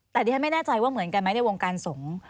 แต่ดิฉันไม่แน่ใจว่าเหมือนกันไหมในวงการสงฆ์